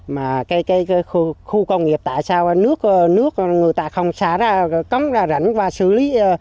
mà cái khu công nghiệp tại sao nước người ta không xả ra cống ra rảnh và xử lý